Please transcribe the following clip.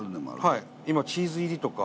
はい今チーズ入りとか。